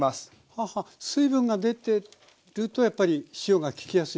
はあはあ水分が出てるとやっぱり塩がききやすい。